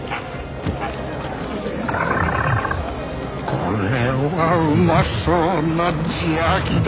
これはうまそうな邪気だ！